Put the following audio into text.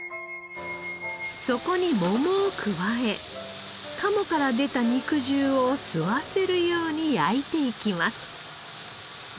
そこに桃を加え鴨から出た肉汁を吸わせるように焼いていきます。